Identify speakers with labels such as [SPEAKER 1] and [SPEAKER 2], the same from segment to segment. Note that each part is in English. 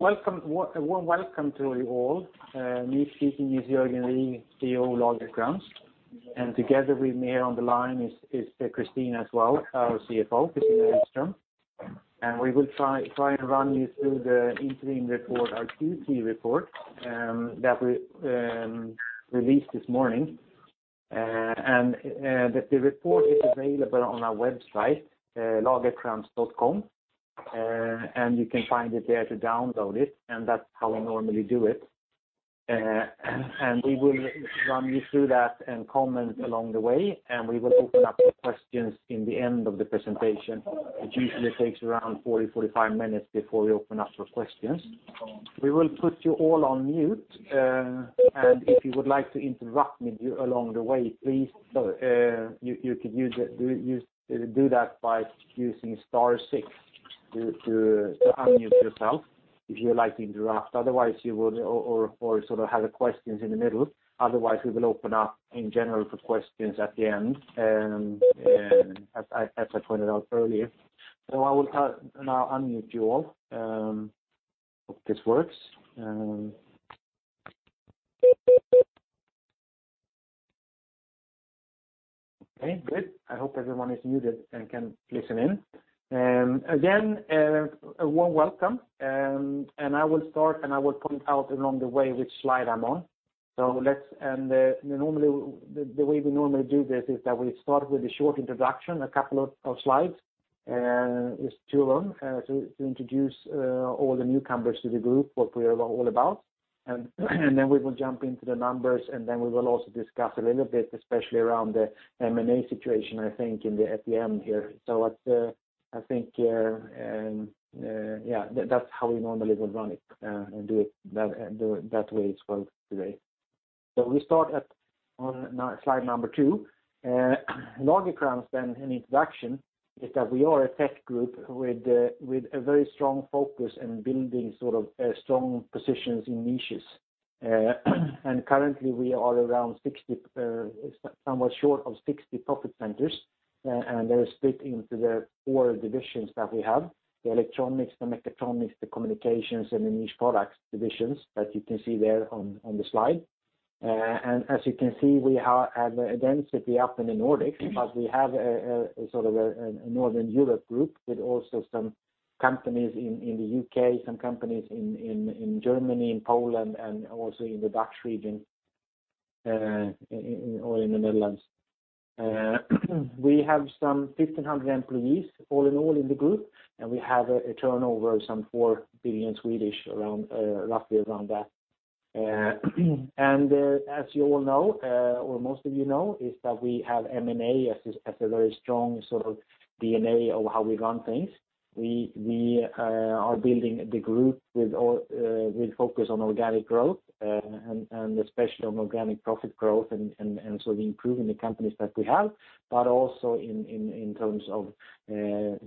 [SPEAKER 1] Welcome to you all. Me speaking is Jörgen Wigh, CEO of Lagercrantz. Together with me here on the line is Kristina as well, our CFO, Kristina Elfström. We will try and run you through the interim report, our Q2 report that we released this morning. That the report is available on our website, lagercrantz.com, you can find it there to download it, that's how I normally do it. We will run you through that, comment along the way, we will open up for questions in the end of the presentation, which usually takes around 40 minutes, 45 minutes before we open up for questions. We will put you all on mute, if you would like to interrupt me along the way, please do that by using star six to unmute yourself if you'd like to interrupt or have questions in the middle. Otherwise, we will open up in general for questions at the end as I pointed out earlier. I will now unmute you all. Hope this works. Okay, good. I hope everyone is muted and can listen in. Again, a warm welcome, and I will start and I will point out along the way which slide I'm on. The way we normally do this is that we start with a short introduction, a couple of slides to introduce all the newcomers to the group, what we are all about, and then we will jump into the numbers, and then we will also discuss a little bit, especially around the M&A situation, I think in the at the end here. I think that's how we normally would run it and do it that way as well today. We start on slide number two. Lagercrantz, an introduction, is that we are a technology group with a very strong focus in building strong positions in niches. Currently we are somewhat short of 60 profit centers, and they're split into the four divisions that we have, the Electronics, the Mechatronics, the Communications, and the Niche Products divisions that you can see there on the slide. As you can see, we have a density up in the Nordics, but we have a Northern Europe group with also some companies in the U.K., some companies in Germany and Poland and also in the Dutch region or in the Netherlands. We have some 1,500 employees all in all in the group, and we have a turnover of some 4 billion, roughly around that. As you all know or most of you know, is that we have M&A as a very strong sort of DNA of how we run things. We are building the group with focus on organic growth and especially on organic profit growth and so the improving the companies that we have, but also in terms of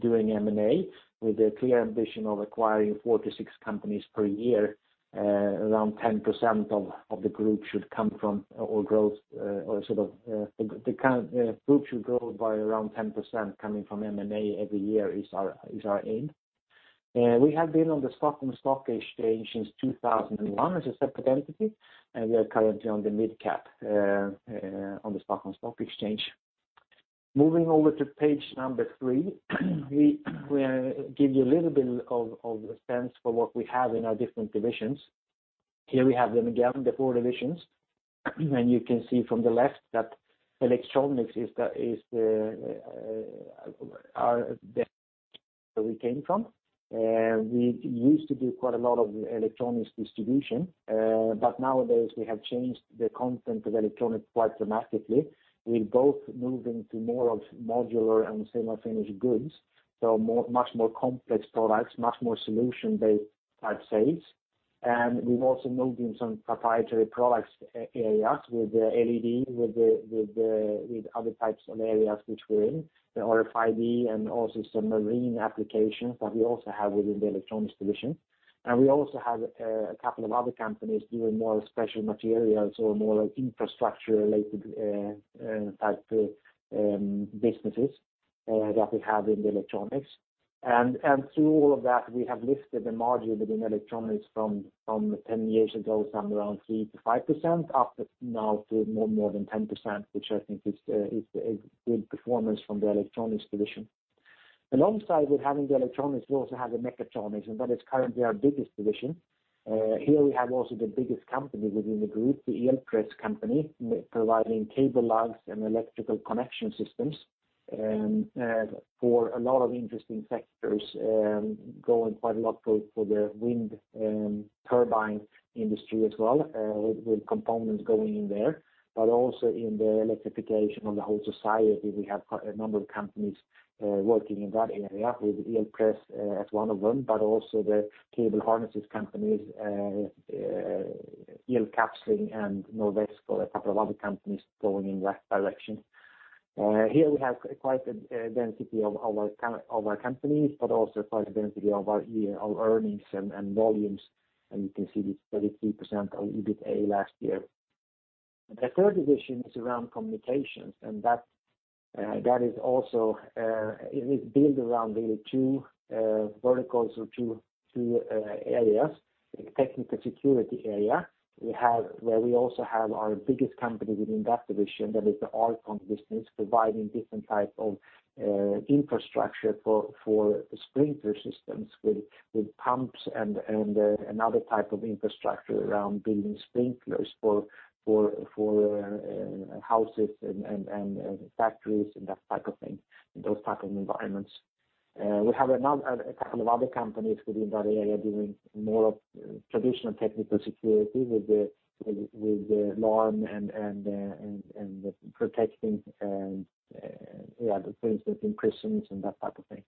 [SPEAKER 1] doing M&A with a clear ambition of acquiring four to six companies per year. The group should grow by around 10% coming from M&A every year is our aim. We have been on the Stockholm Stock Exchange since 2001 as a separate entity, and we are currently on the mid cap on the Stockholm Stock Exchange. Moving over to page number three, we give you a little bit of sense for what we have in our different divisions. Here we have them again, the four divisions. You can see from the left that Electronics is where we came from. We used to do quite a lot of electronics distribution, but nowadays we have changed the content of Electronics quite dramatically. We're both moving to more of modular and semi-finished goods, so much more complex products, much more solution-based type sales. We've also moved in some proprietary products areas with LED, with other types of areas which we're in, the RFID and also some marine applications that we also have within the Electronics Division. We also have a couple of other companies doing more special materials or more infrastructure related type businesses that we have in the Electronics. Through all of that, we have lifted the margin within Electronics from 10 years ago, somewhere around 3%-5%, up now to more than 10%, which I think is good performance from the Electronics Division. Alongside with having the Electronics, we also have the Mechatronics, and that is currently our biggest division. Here we have also the biggest company within the group, the Elpress company, providing cable lugs and electrical connection systems for a lot of interesting sectors, growing quite a lot for the wind turbine industry as well, with components going in there, but also in the electrification of the whole society. We have quite a number of companies working in that area with Elpress as one of them, but also the cable harnesses companies, Elkapsling and Norwesco, a couple of other companies going in that direction. Here we have quite a density of our companies, but also quite a density of our earnings and volumes. You can see the 33% of EBITA last year. The third division is around communications, and that is also built around really two verticals or two key areas, technical security area, where we also have our biggest company within that division, that is the R-CON business, providing different types of infrastructure for sprinkler systems with pumps and other type of infrastructure around building sprinklers for houses and factories and that type of thing, in those type of environments. We have a couple of other companies within that area doing more of traditional technical security with alarm and protecting, for instance, in prisons and that type of thing.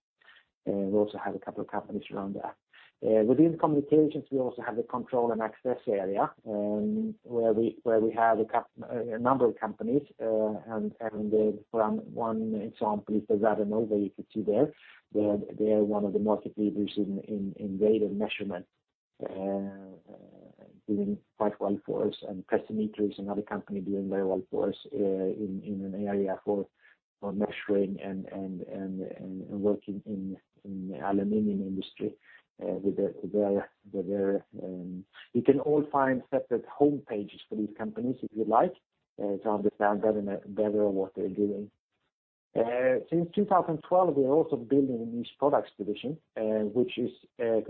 [SPEAKER 1] We also have a couple of companies around that. Within communications, we also have the control and access area, where we have a number of companies. One example is Radonova that you could see there. They are one of the market leaders in radon measurement, doing quite well for us. Precimeter is another company doing very well for us in an area for measuring and working in the aluminum industry. You can all find separate homepages for these companies if you like, to understand better what they're doing. Since 2012, we are also building a Niche Products division, which is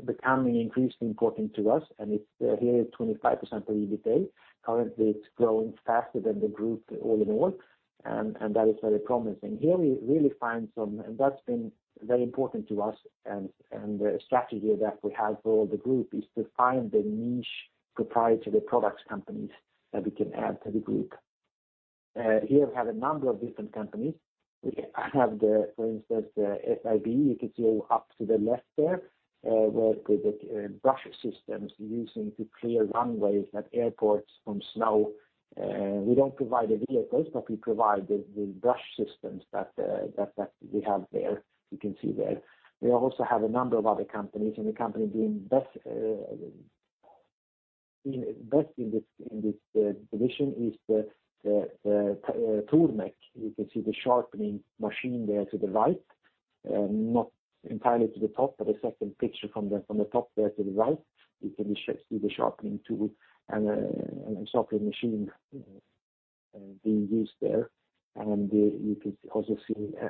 [SPEAKER 1] becoming increasingly important to us, and it's here 25% of the EBITA. Currently, it's growing faster than the group all in all, and that is very promising. That's been very important to us, and the strategy that we have for the group is to find the niche proprietary products companies that we can add to the group. Here we have a number of different companies. We have the, for instance, SIB Products, you could see up to the left there, work with brush systems used to clear runways at airports from snow. We don't provide the vehicles, but we provide the brush systems that we have there, you can see there. We also have a number of other companies, the company doing best in this division is the Tormek. You can see the sharpening machine there to the right, not entirely to the top, but the second picture from the top there to the right, you can see the sharpening tool and a sharpening machine being used there.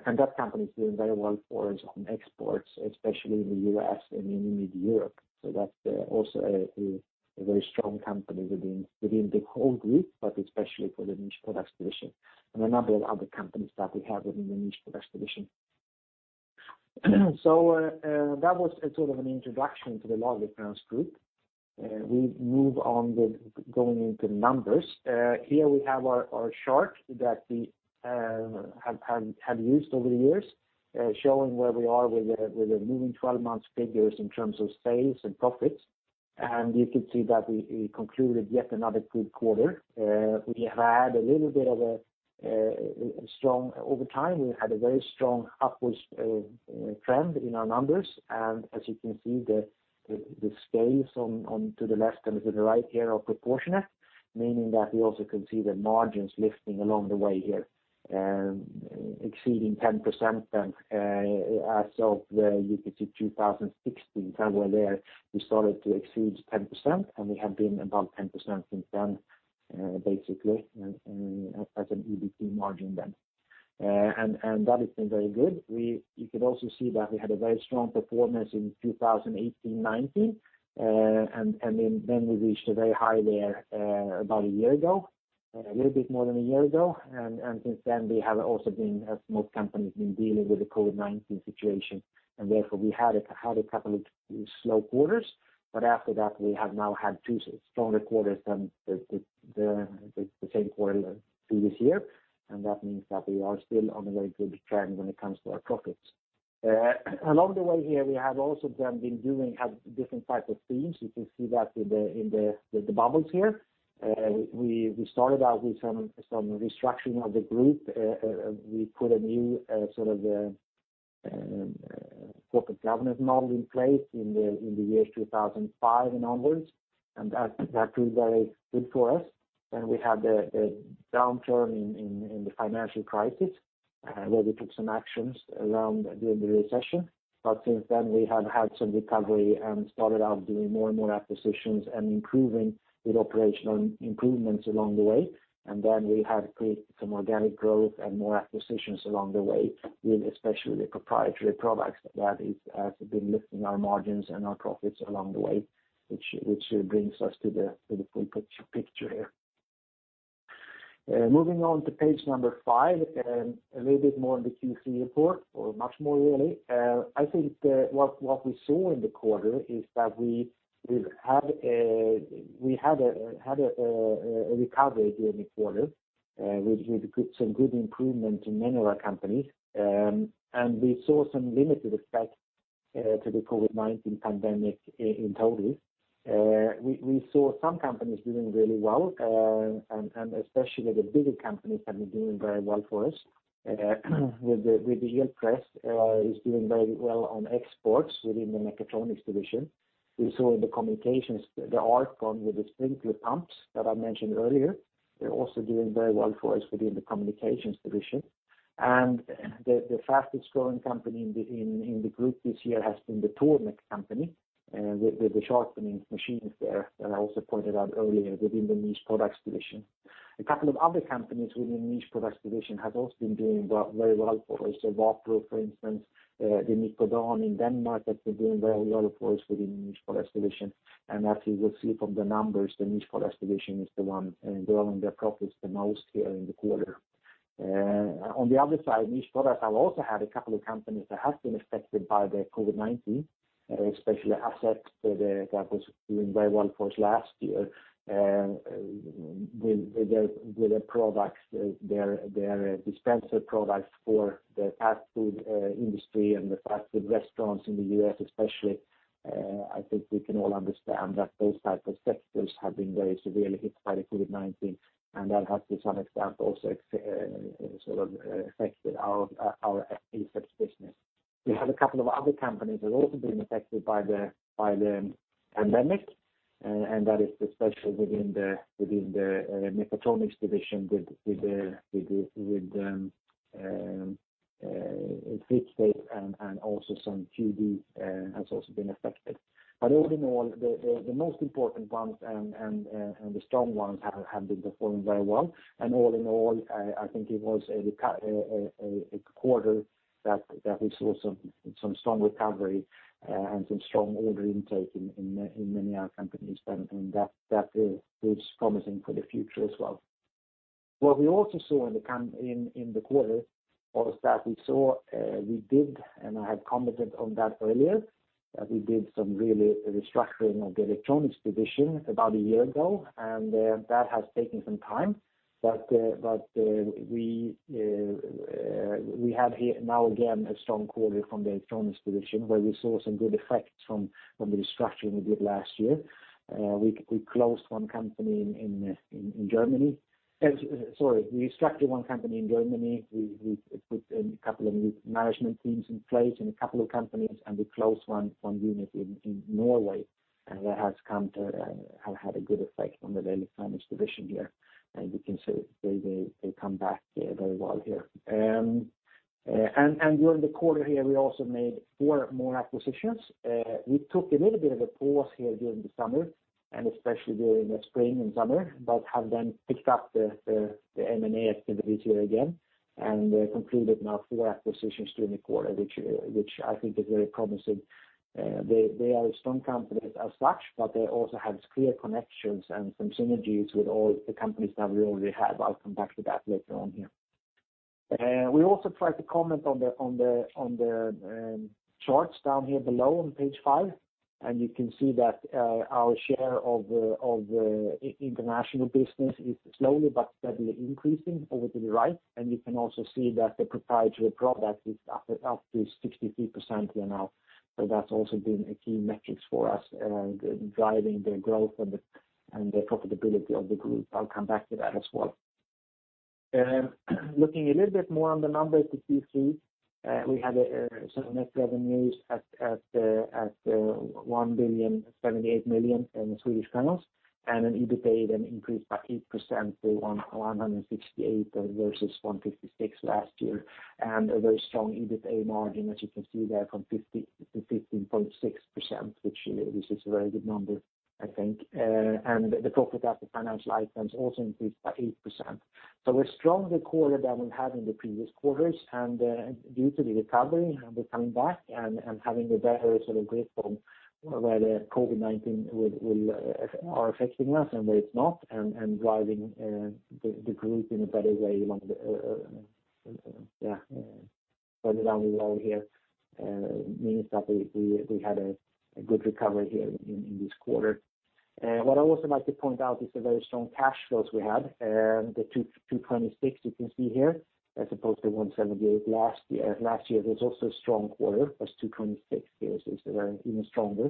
[SPEAKER 1] That company is doing very well for us on exports, especially in the U.S. and in Europe. That's also a very strong company within the whole group, but especially for the Niche Products division and a number of other companies that we have within the Niche Products division. That was a sort of an introduction to the Lagercrantz Group. We move on with going into numbers. Here we have our chart that we have used over the years, showing where we are with the moving 12 month's figures in terms of sales and profits. You could see that we concluded yet another good quarter. We had a very strong upwards trend in our numbers. As you can see, the scales onto the left and to the right here are proportionate, meaning that we also can see the margins lifting along the way here, exceeding 10% as of, you could see, 2016, somewhere there we started to exceed 10%, and we have been above 10% since then, basically, as an EBITA margin then. That has been very good. You could also see that we had a very strong performance in 2018, 2019, and then we reached a very high there about a year ago, a little bit more than a year ago. Since then, we have also been, as most companies, been dealing with the COVID-19 situation, and therefore we had a couple of slow quarters, but after that, we have now had two stronger quarters than the same quarter previous year, and that means that we are still on a very good trend when it comes to our profits. Along the way here, we have also then been doing different types of themes. You can see that in the bubbles here. We started out with some restructuring of the group. We put a new corporate governance model in place in the years 2005 and onwards, and that proved very good for us. We had a downturn in the financial crisis, where we took some actions during the recession. Since then, we have had some recovery and started out doing more and more acquisitions and improving with operational improvements along the way. Then we have created some organic growth and more acquisitions along the way with especially the proprietary products. That has been lifting our margins and our profits along the way, which brings us to the full picture here. Moving on to page number five, a little bit more on the Q3 report, or much more really. I think what we saw in the quarter is that we had a recovery during the quarter, with some good improvement in many of our companies. We saw some limited effect to the COVID-19 pandemic in total. We saw some companies doing really well, and especially the bigger companies have been doing very well for us. Elpress is doing very well on exports within the Mechatronics Division. We saw in the Communications, the R-CON with the sprinkler pumps that I mentioned earlier. They're also doing very well for us within the Communications Division. The fastest growing company in the group this year has been the Tormek company, with the sharpening machines there that I also pointed out earlier within the Niche Products Division. A couple of other companies within the Niche Products Division have also been doing very well for us. Wapro, for instance, the Nikodan in Denmark that's been doing very well for us within the Niche Products Division. As you will see from the numbers, the Niche Products Division is the one growing their profits the most here in the quarter. On the other side, Niche Products have also had a couple of companies that have been affected by the COVID-19, especially Asept that was doing very well for us last year, with their dispenser products for the fast-food industry and the fast-food restaurants in the U.S. especially. I think we can all understand that those types of sectors have been very severely hit by the COVID-19, and that has, to some extent, also affected our Asept business. We have a couple of other companies that have also been affected by the pandemic. That is especially within the Mechatronics Division with Frictape, and also some Cue Dee has also been affected. All in all, the most important ones and the strong ones have been performing very well. All in all, I think it was a quarter that we saw some strong recovery and some strong order intake in many our companies. That is promising for the future as well. What we also saw in the quarter was that we did, and I had commented on that earlier, that we did some really restructuring of the Electronics Division about a year ago, and that has taken some time. We have here now again, a strong quarter from the Electronics Division, where we saw some good effects from the restructuring we did last year. We closed one company in Germany. Sorry, we restructured one company in Germany. We put a couple of new management teams in place in a couple of companies, and we closed one unit in Norway. That has had a good effect on the Electronics Division here. You can see they come back very well here. During the quarter here, we also made four more acquisitions. We took a little bit of a pause here during the summer, and especially during the spring and summer, but have then picked up the M&A activity again and concluded now four acquisitions during the quarter, which I think is very promising. They are strong companies as such, but they also have clear connections and some synergies with all the companies that we already have. I'll come back to that later on here. We also tried to comment on the charts down here below on page five, and you can see that our share of the international business is slowly but steadily increasing over to the right. You can also see that the proprietary product is up to 63% here now. That's also been a key metrics for us driving the growth and the profitability of the Group. I'll come back to that as well. Looking a little bit more on the numbers to Q3, we had some net revenues at 1,078,000,000, and an EBITA then increased by 8% to 168 versus 156 last year. A very strong EBITA margin, as you can see there, from 15.6%, which this is a very good number, I think. The profit after financial items also increased by 8%. A stronger quarter than we had in the previous quarters, and due to the recovery and the coming back and having a better sort of grip on where the COVID-19 are affecting us and where it's not, and driving the group in a better way along the way here means that we had a good recovery here in this quarter. What I also like to point out is the very strong cash flows we had, the 226 you can see here, as opposed to 178 last year. Last year was also a strong quarter, but 226 here is even stronger.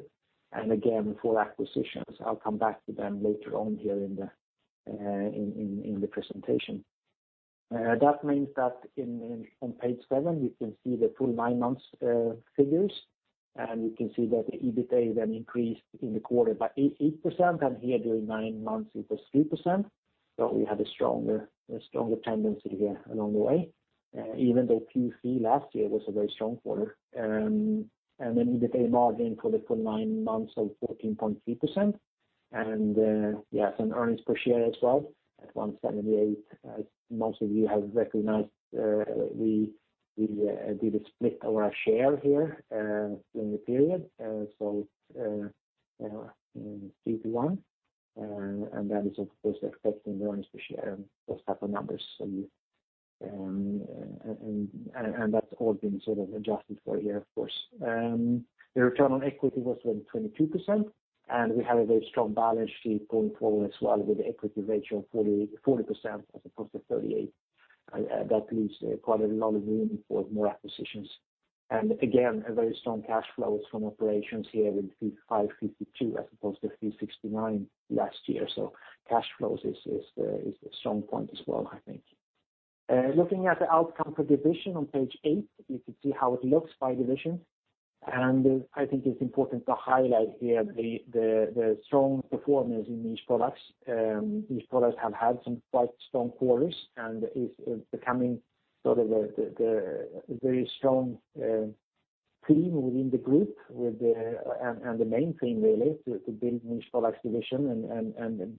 [SPEAKER 1] Again, four acquisitions. I'll come back to them later on here in the presentation. That means that on page seven, you can see the full nine months figures. You can see that the EBITA then increased in the quarter by 8%. Here during nine months, it was 3%. We had a stronger tendency here along the way. Even though Q3 last year was a very strong quarter. An EBITA margin for the full nine months of 14.3%. Earnings per share as well at 178. As most of you have recognized, we did a split of our share here during the period, 3:1. That is of course affecting earnings per share and those type of numbers. That's all been sort of adjusted for here, of course. The return on equity was 22%, we had a very strong balance sheet going forward as well with the equity ratio of 40% as opposed to 38%. That leaves quite a lot of room for more acquisitions. Again, a very strong cash flows from operations here with 552 as opposed to 369 last year. Cash flows is a strong point as well, I think. Looking at the outcome per division on page eight, you can see how it looks by division. I think it's important to highlight here the strong performance in Niche Products. Niche Products have had some quite strong quarters and is becoming sort of a very strong team within the group. The main theme really to build Niche Products division and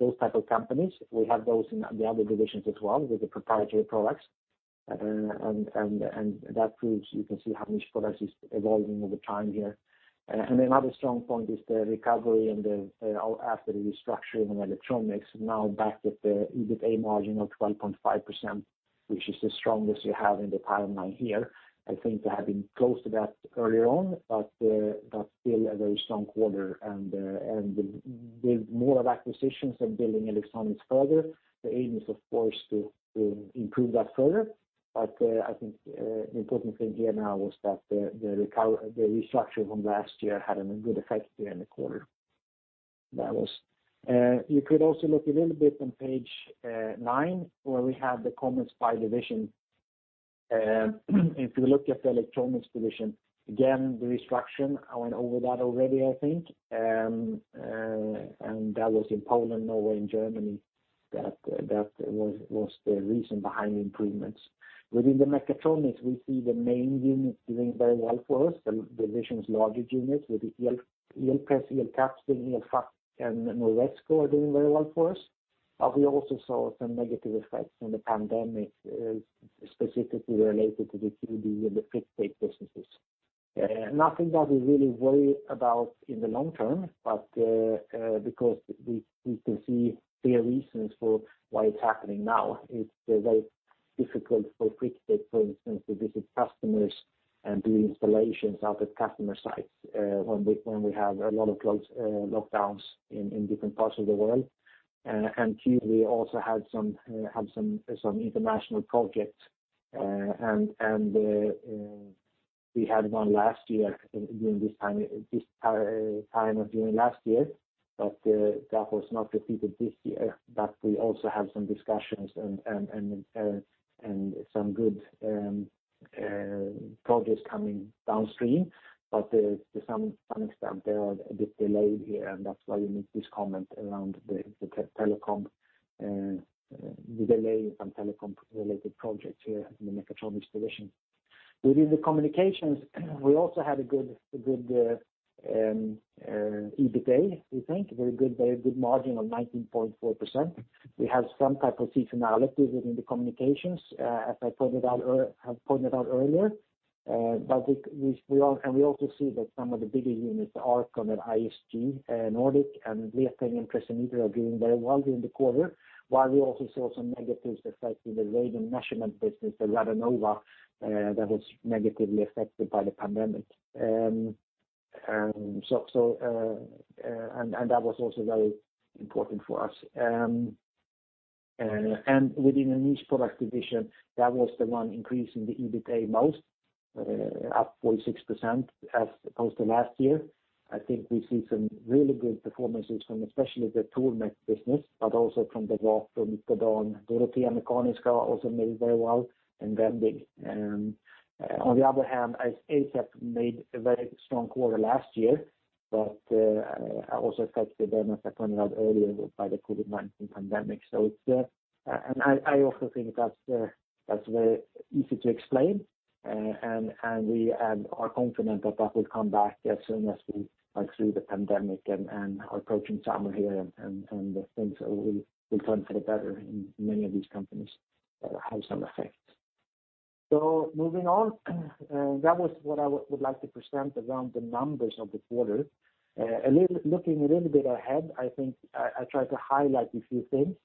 [SPEAKER 1] those type of companies. We have those in the other divisions as well with the proprietary products. That proves you can see how Niche Products is evolving over time here. Another strong point is the recovery after the restructuring of Electronics, now back with the EBITA margin of 12.5%, which is the strongest you have in the timeline here. I think they have been close to that earlier on, but that's still a very strong quarter. With more acquisitions and building Electronics further, the aim is of course to improve that further. I think the important thing here now was that the restructuring from last year had a good effect there in the quarter. You could also look a little bit on page nine, where we have the comments by division. If you look at the Electronics Division, again, the restructuring, I went over that already, I think. That was in Poland, Norway, and Germany, that was the reason behind the improvements. Within the Mechatronics, we see the main unit doing very well for us, the division's largest units with the Elpress, Elkapsling, Elfac, and Norwesco are doing very well for us. We also saw some negative effects from the pandemic, specifically related to the Cue Dee and the Frictape businesses. Nothing that we really worry about in the long term, but because we can see clear reasons for why it's happening now. It's very difficult for Frictape, for instance, to visit customers and do installations out at customer sites when we have a lot of lockdowns in different parts of the world. Cue Dee also had some international projects, and we had one last year during last year, but that was not repeated this year. We also have some discussions and some good projects coming downstream. To some extent, they are a bit delayed here, and that's why you make this comment around the telecom, the delay in some telecom related projects here in the Mechatronics Division. Within the Communications, we also had a good EBITA, we think, very good margin of 19.4%. We have some type of seasonality within the Communications as I pointed out earlier. We also see that some of the bigger units, ARK, ISG Nordic, and Liatec, and Precimeter are doing very well during the quarter. While we also saw some negative effects in the radon measurement business, the Radonova, that was negatively affected by the pandemic. That was also very important for us. Within the Niche Products Division, that was the one increasing the EBITA most, up 46% as opposed to last year. I think we see some really good performances from especially the Tormek business, but also from the Wapro, from Nikodan. Dorotea Mekaniska also made it very well, and Vendig. On the other hand, Asept made a very strong quarter last year, but also affected by, as I pointed out earlier, by the COVID-19 pandemic. I also think that's very easy to explain, and we are confident that that will come back as soon as we are through the pandemic and are approaching summer here and things will turn for the better in many of these companies that have some effects. Moving on, that was what I would like to present around the numbers of the quarter. Looking a little bit ahead, I think I try to highlight a few things.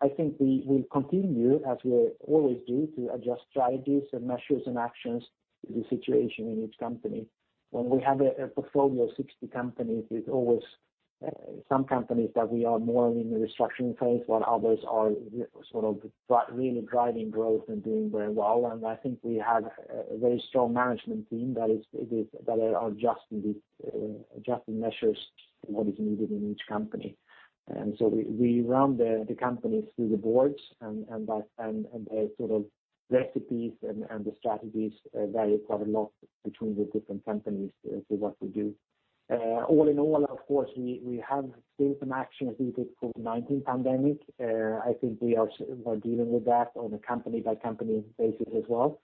[SPEAKER 1] I think we will continue, as we always do, to adjust strategies and measures and actions to the situation in each company. When we have a portfolio of 60 companies, there's always some companies that we are more in the restructuring phase, while others are sort of really driving growth and doing very well. I think we have a very strong management team that are adjusting these adjusting measures to what is needed in each company. We run the companies through the boards and the sort of recipes and the strategies vary quite a lot between the different companies as to what we do. All in all, of course, we have seen some action due to COVID-19 pandemic. I think we are dealing with that on a company-by-company basis as well.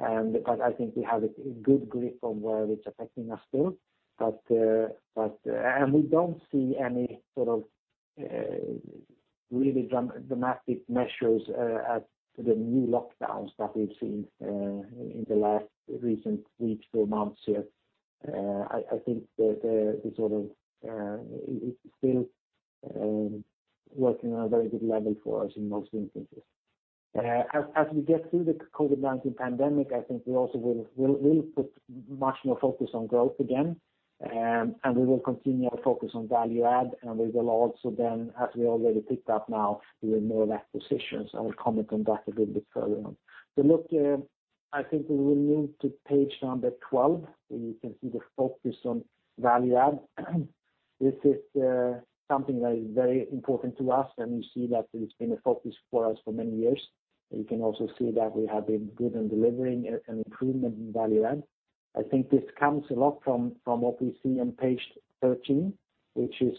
[SPEAKER 1] I think we have a good grip on where it's affecting us still. We don't see any sort of really dramatic measures as the new lockdowns that we've seen in the last recent weeks or months here. I think that it's still working on a very good level for us in most instances. As we get through the COVID-19 pandemic, I think we also will put much more focus on growth again, and we will continue our focus on value add, and we will also then, as we already picked up now, doing more acquisitions. I will comment on that a little bit further on. Look, I think we will move to page number 12, where you can see the focus on value add. This is something that is very important to us, and you see that it's been a focus for us for many years. You can also see that we have been good in delivering an improvement in value add. I think this comes a lot from what we see on page 13, which is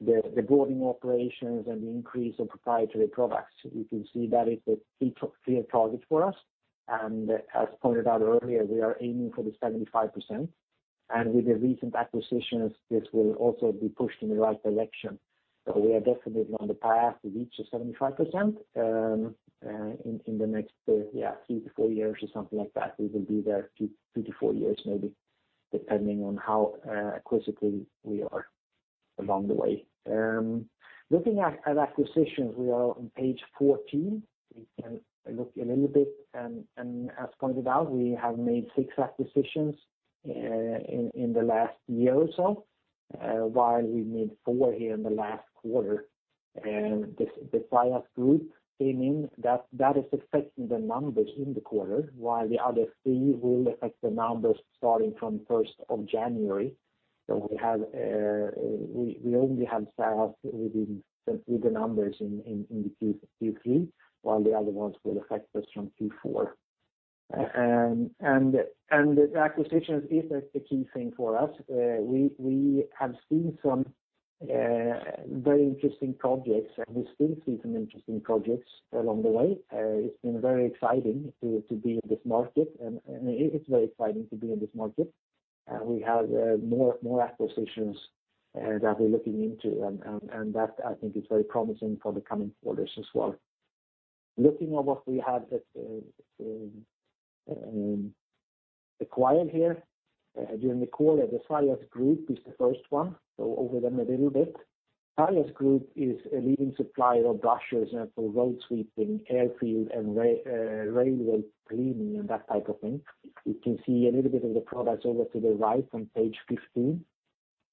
[SPEAKER 1] the growing operations and the increase of proprietary products. You can see that it's a clear target for us, as pointed out earlier, we are aiming for this 75%, and with the recent acquisitions, this will also be pushed in the right direction. We are definitely on the path to reach the 75% in the next three to four years or something like that. We will be there three to four years maybe, depending on how acquisitive we are along the way. Looking at acquisitions, we are on page 14. We can look a little bit, as pointed out, we have made six acquisitions in the last year or so, while we made four here in the last quarter. The Sajas Group came in, that is affecting the numbers in the quarter, while the other three will affect the numbers starting from January 1st. We only have Sajas within the numbers in the Q3, while the other ones will affect us from Q4. Acquisitions is a key thing for us. We have seen some very interesting projects, and we still see some interesting projects along the way. It's been very exciting to be in this market. We have more acquisitions that we're looking into, and that I think is very promising for the coming quarters as well. Looking at what we have acquired here during the quarter, the Sajas Group is the first one, so over them a little bit. Sajas Group is a leading supplier of brushes for road sweeping, airfield, and railway cleaning, and that type of thing. You can see a little bit of the products over to the right on page 15.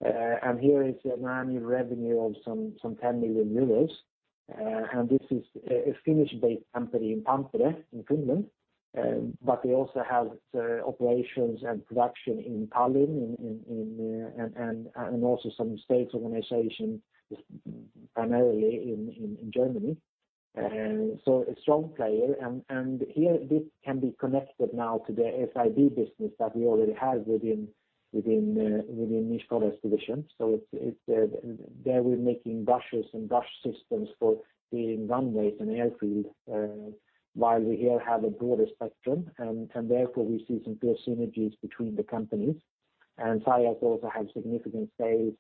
[SPEAKER 1] Here is an annual revenue of some 10 million euros. This is a Finnish-based company in Tampere, in Finland, but they also have operations and production in Tallinn, and also some sales organization primarily in Germany. A strong player, and here this can be connected now to the SIB business that we already have within Niche Product Division. There we're making brushes and brush systems for cleaning runways and airfield, while we here have a broader spectrum, and therefore, we see some clear synergies between the companies. Sajas also have significant sales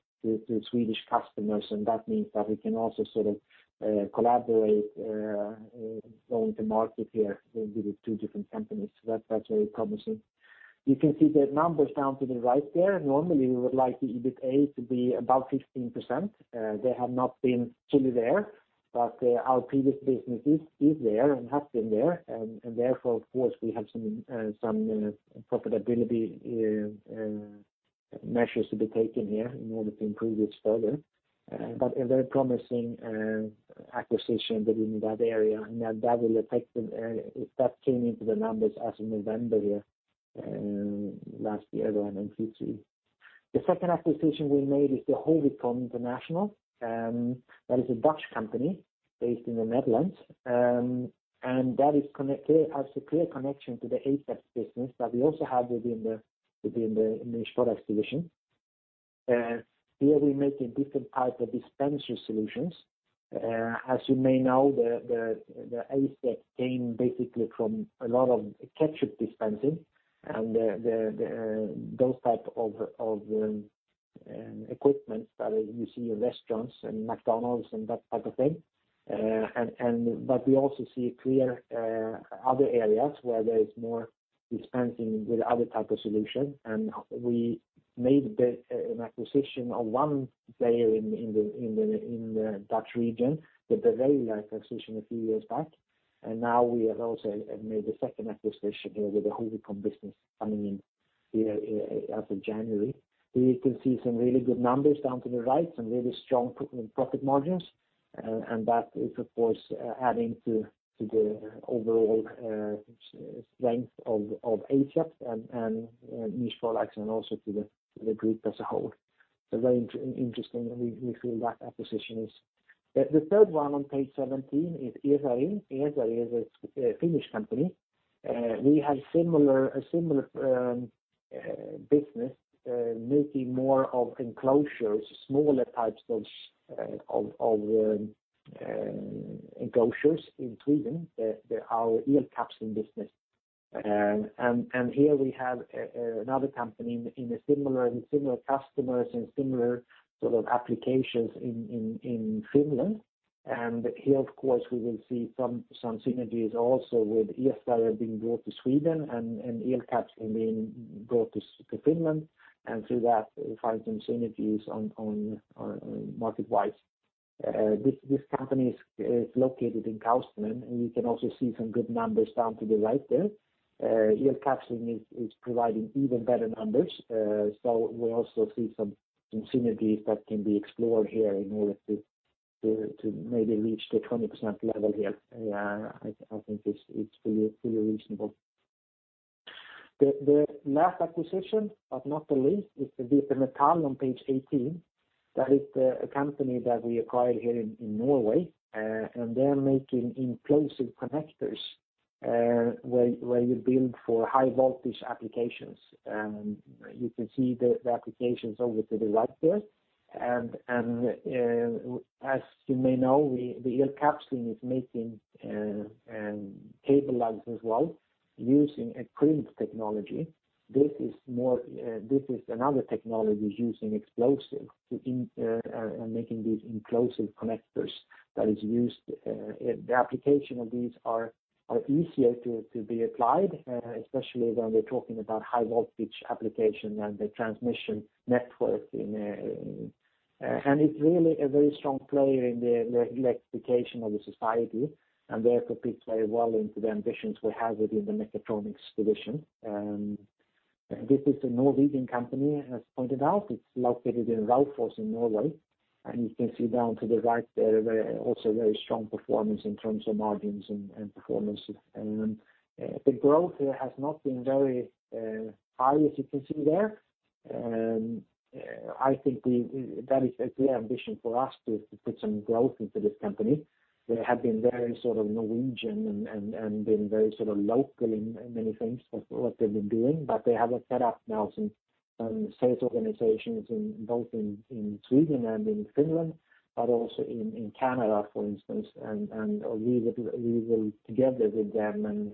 [SPEAKER 1] to Swedish customers, and that means that we can also sort of collaborate going to market here with two different companies. That's very promising. You can see the numbers down to the right there. Normally, we would like the EBITA to be about 15%. They have not been fully there, but our previous businesses is there and have been there, therefore, of course, we have some profitability measures to be taken here in order to improve this further. A very promising acquisition within that area, that came into the numbers as of November here last year on in Q3. The second acquisition we made is the Hovicon International. That is a Dutch company based in the Netherlands, that has a clear connection to the Asept business that we also have within the Niche Product Division. Here we make a different type of dispenser solutions. As you may know, the Asept came basically from a lot of ketchup dispensing and those type of equipment that you see in restaurants and McDonald's and that type of thing. We also see clear other areas where there is more dispensing with other type of solution, and we made an acquisition of one player in the Dutch region with a few years back, and now we have also made the second acquisition with the Hovicon business coming in here as of January. Here you can see some really good numbers down to the right, some really strong profit margins, and that is of course, adding to the overall strength of Asept and Niche Product, and also to the group as a whole. The third one on page 17 is Esari. Esari is a Finnish company. We have a similar business making more of enclosures, smaller types of enclosures in Sweden, our Elkapsling business. Here we have another company with similar customers and similar sort of applications in Finland. Here, of course, we will see some synergies also with Esari being brought to Sweden and Elkapsling being brought to Finland, and through that find some synergies market-wise. This company is located in Karlstad, and you can also see some good numbers down to the right there. Elkapsling is providing even better numbers, so we also see some synergies that can be explored here in order to maybe reach the 20% level here. I think it's fully reasonable. The last acquisition, but not the least, is the VP Metall on page 18. That is a company that we acquired here in Norway, and they're making implosive connectors, where you build for high voltage applications. You can see the applications over to the right there. As you may know, the Elkapsling is making cable lugs as well, using a crimp technology. This is another technology using explosive to making these implosive connectors that is used. The application of these are easier to be applied, especially when we're talking about high voltage application and the transmission network. It's really a very strong player in the electrification of the society and therefore fits very well into the ambitions we have within the Mechatronics Division. This is a Norwegian company, as pointed out. It's located in Raufoss in Norway, and you can see down to the right there, also very strong performance in terms of margins and performance. The growth here has not been very high, as you can see there. I think that is a clear ambition for us to put some growth into this company. They have been very Norwegian and been very local in many things of what they've been doing, but they have a set up now, some sales organizations in both in Sweden and in Finland, but also in Canada, for instance. We will together with them and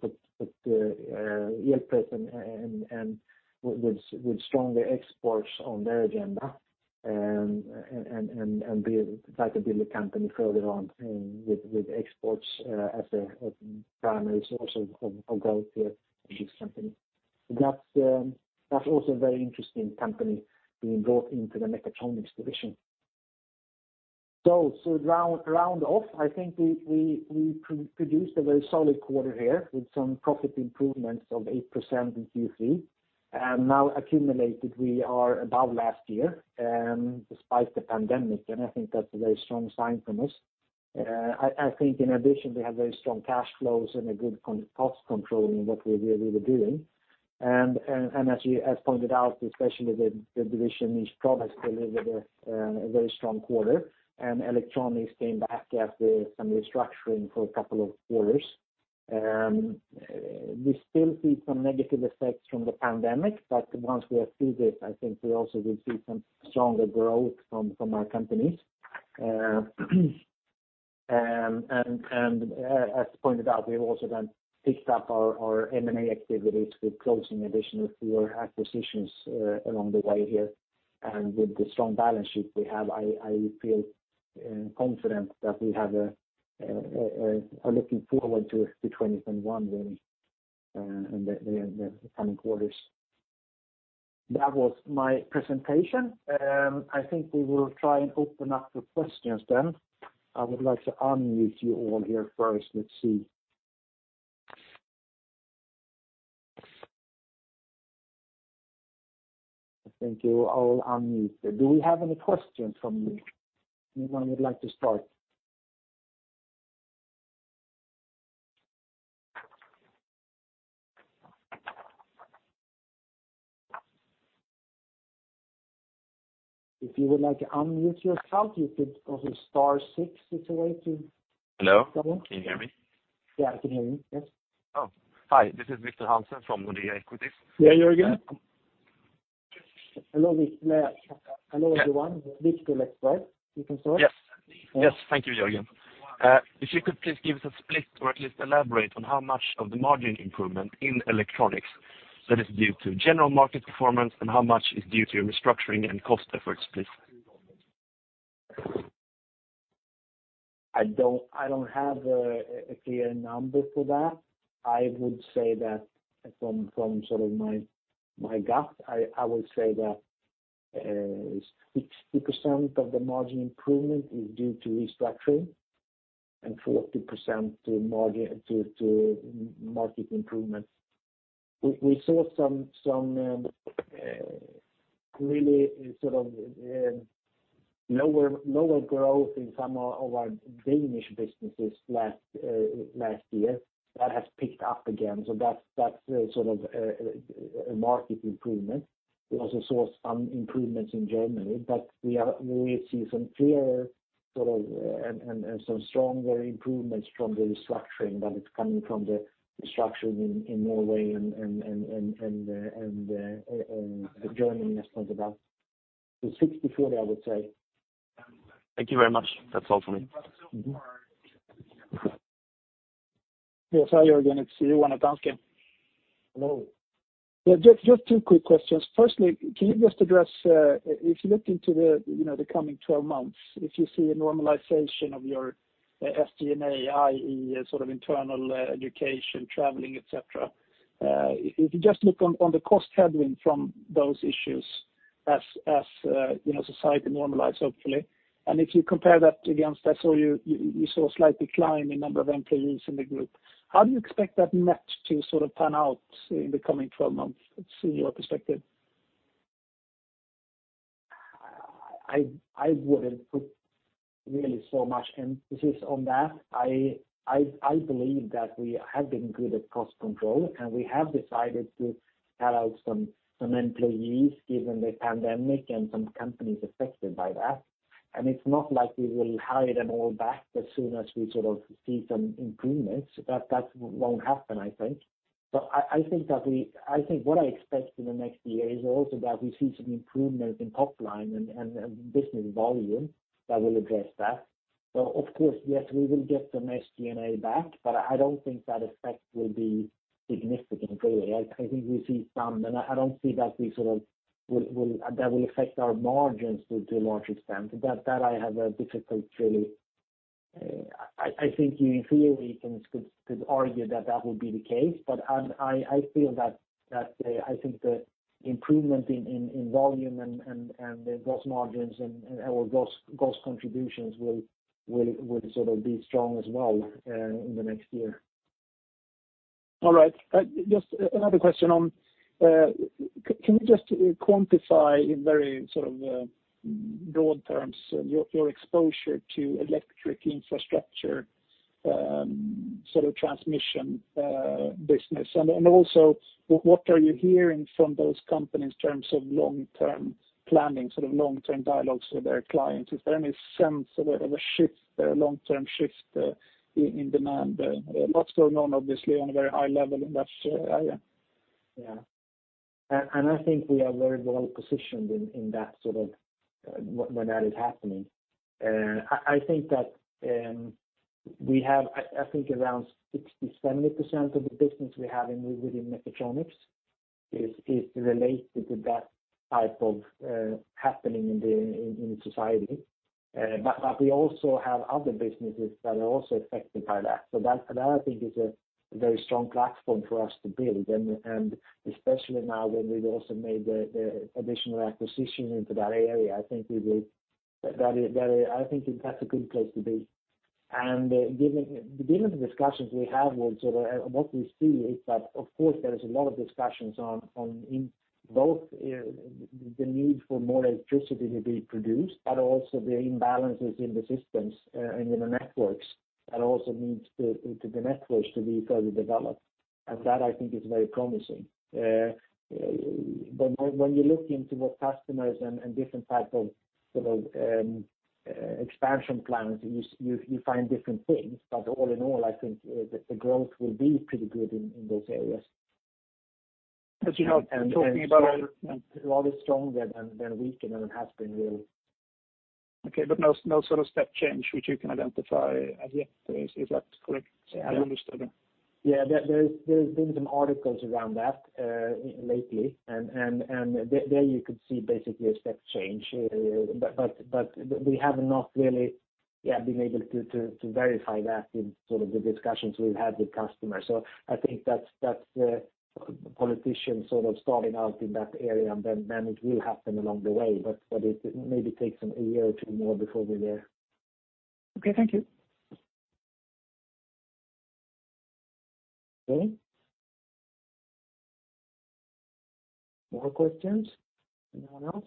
[SPEAKER 1] put the Elpress with stronger exports on their agenda, and try to build the company further on with exports as a primary source of growth here in this company. That's also a very interesting company being brought into the Mechatronics Division. To round off, we produced a very solid quarter here with some profit improvements of 8% in Q3, and now accumulated we are above last year, despite the pandemic, and that's a very strong sign from us. In addition, we have very strong cash flows and a good cost control in what we're really doing. As pointed out, especially the division Niche Products has delivered a very strong quarter, and Electronics came back after some restructuring for a couple of quarters. We still see some negative effects from the pandemic, once we are through this, we also will see some stronger growth from our companies. As pointed out, we've also then picked up our M&A activities with closing additional four acquisitions along the way here. With the strong balance sheet we have, I feel confident that we are looking forward to 2021 really, and the coming quarters. That was my presentation. I think we will try and open up for questions then. I would like to unmute you all here first. Let's see. I think you're all unmuted. Do we have any questions from you? Anyone would like to start? If you would like to unmute yourself, you could also star six is a way to.
[SPEAKER 2] Hello, can you hear me?
[SPEAKER 1] Yeah, I can hear you. Yes.
[SPEAKER 2] Oh, hi. This is Victor Hansen from Nordea Equities.
[SPEAKER 1] Yeah, Jörgen. Hello, everyone. you can start.
[SPEAKER 2] Yes. Thank you, Jörgen. If you could please give us a split or at least elaborate on how much of the margin improvement in Electronics that is due to general market performance, and how much is due to restructuring and cost efforts, please?
[SPEAKER 1] I don't have a clear number for that. I would say that from my gut, I would say that 60% of the margin improvement is due to restructuring, and 40% to market improvement. We saw some really lower growth in some of our Danish businesses last year. That has picked up again. That's a market improvement. We also saw some improvements in Germany, but we see some clear and some stronger improvements from the restructuring that is coming from the restructuring in Norway and Germany, as pointed out. 60/40, I would say.
[SPEAKER 2] Thank you very much. That is all for me.
[SPEAKER 3] Yes. Hi, Jörgen. It's Johan at Danske.
[SPEAKER 1] Hello.
[SPEAKER 3] Yeah, just two quick questions. Firstly, can you just address, if you look into the coming 12 months, if you see a normalization of your SG&A, i.e. internal education, traveling, et cetera. If you just look on the cost headwind from those issues as society normalizes, hopefully, and if you compare that against, I saw you saw a slight decline in number of employees in the group. How do you expect that net to pan out in the coming 12 months, let's say, your perspective?
[SPEAKER 1] I wouldn't put really so much emphasis on that. I believe that we have been good at cost control, and we have decided to cut out some employees given the pandemic and some companies affected by that. It's not like we will hire them all back as soon as we see some improvements. That won't happen, I think. I think what I expect in the next year is also that we see some improvement in top line and business volume that will address that. Of course, yes, we will get some SG&A back, but I don't think that effect will be significant, really. I think we see some. I don't see that will affect our margins to a large extent. Really, I think you theoretically could argue that that will be the case. I think the improvement in volume and the gross margins and our gross contributions will be strong as well in the next year.
[SPEAKER 3] All right. Just another question on, can you just quantify in very broad terms your exposure to electric infrastructure transmission business? What are you hearing from those companies in terms of long-term planning, long-term dialogues with their clients? Is there any sense of a long-term shift in demand? Lots going on, obviously, on a very high level in that area.
[SPEAKER 1] Yeah. I think we are very well positioned when that is happening. I think around 60%, 70% of the business we have within Mechatronics is related to that type of happening in society. We also have other businesses that are also affected by that. That I think is a very strong platform for us to build, and especially now when we've also made the additional acquisition into that area. I think that's a good place to be. Given the discussions we have and what we see is that, of course, there is a lot of discussions on both the need for more electricity to be produced, but also the imbalances in the systems and in the networks that also needs the networks to be further developed. That I think is very promising. When you look into what customers and different type of expansion plans, you find different things. All in all, I think the growth will be pretty good in those areas.
[SPEAKER 3] As you know.
[SPEAKER 1] Rather stronger than weaker than it has been really.
[SPEAKER 3] Okay, no step change which you can identify as yet, is that correct? I understand.
[SPEAKER 1] There's been some articles around that lately, and there you could see basically a step change. We have not really been able to verify that in the discussions we've had with customers. I think that's the politician starting out in that area, and then it will happen along the way, but it maybe takes a year or two more before we're there.
[SPEAKER 3] Okay. Thank you.
[SPEAKER 1] Okay. More questions? Anyone else?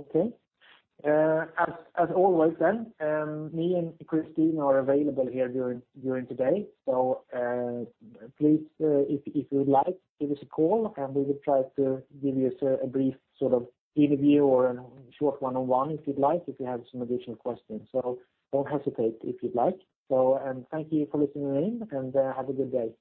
[SPEAKER 1] Okay. As always, me and Kristina are available here during today. Please, if you would like, give us a call, and we will try to give you a brief interview or a short one-on-one if you'd like, if you have some additional questions. Don't hesitate if you'd like. Thank you for listening in, and have a good day.